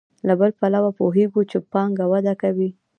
له بل پلوه پوهېږو چې پانګه وده کوي